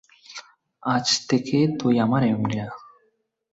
আজ থেকে তুই আমার এমডি না।